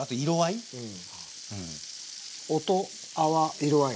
音泡色合い。